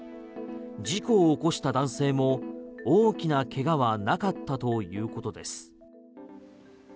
事故を起こした男性も大きな怪我はなかったということです。